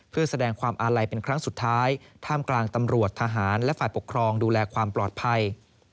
เพื่อแสดงความอาลัยเป็นครั้งสุดท้ายท่ามกลางตำรวจทหารและฝ่ายปกครองดูแลความปลอดภัย